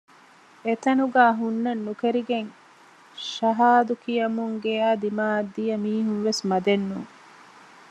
އެތަނުގައި ހުންނަން ނުކެރިގެން ޝަހާދު ކިޔަމުން ގެޔާ ދިމާއަށް ދިޔަ މީހުންވެސް މަދެއް ނޫން